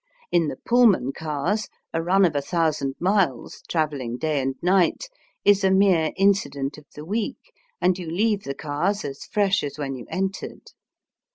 In the Pullman cars a run of a thousand miles, travelling day and night, is a mere incident of the week, and you leave the cars as fresh as when you entered.